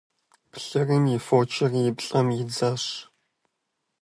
Плъырым и фочыр и плӀэм идзащ.